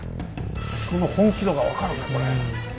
その本気度が分かるねこれ。